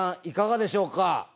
いかがでしょうか？